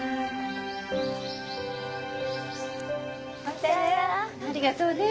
ありがとうね。